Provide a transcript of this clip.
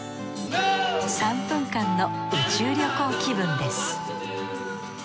３分間の宇宙旅行気分です